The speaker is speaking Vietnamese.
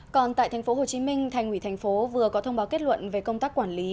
còn tại tp hcm thành ủy tp vừa có thông báo kết luận về công tác quản lý